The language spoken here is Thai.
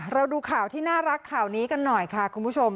ดูข่าวที่น่ารักข่าวนี้กันหน่อยค่ะคุณผู้ชม